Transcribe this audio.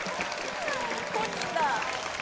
本人だ！